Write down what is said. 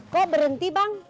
kok berhenti bang